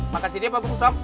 makan sini apa bung tom